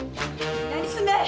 何すんだよ！